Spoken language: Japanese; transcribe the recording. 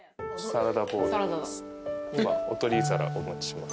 サラダボウルです。